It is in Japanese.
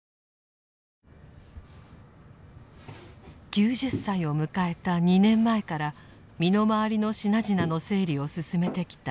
９０歳を迎えた２年前から身の回りの品々の整理を進めてきた澤地さん。